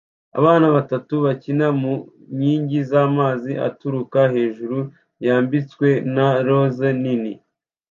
Abana batatu bakina mu nkingi z'amazi aturuka hejuru yambitswe na roza nini